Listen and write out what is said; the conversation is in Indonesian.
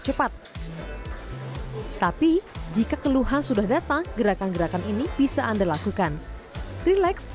cepat tapi jika keluhan sudah datang gerakan gerakan ini bisa anda lakukan relax